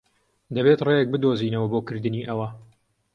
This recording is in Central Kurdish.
دەبێت ڕێیەک بدۆزینەوە بۆ کردنی ئەوە.